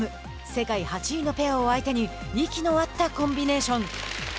世界８位のペアを相手に息の合ったコンビネーション。